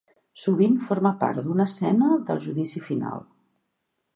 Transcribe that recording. Sovint forma part d'una escena del Judici Final.